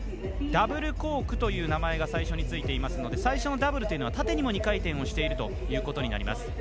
ダブルコークという名前が最初についていますので最初のダブルというのは縦にも２回転しているということになります。